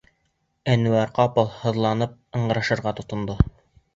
Әнүәр ҡапыл һыҙланып ыңғырашырға тотондо.